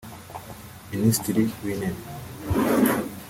Ministiri w’intebe